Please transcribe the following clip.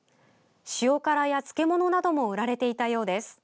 塩辛や漬物なども売られていたようです。